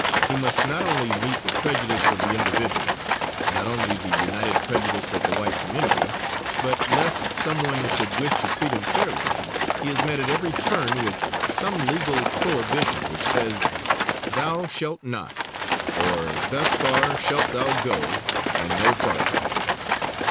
He must not only meet the prejudice of the individual, not only the united prejudice of the white community; but lest some one should wish to treat him fairly, he is met at every turn with some legal prohibition which says, "Thou shalt not," or "Thus far shalt thou go and no farther."